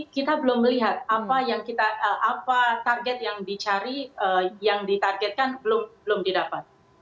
kita belum melihat apa target yang dicarikan belum didapat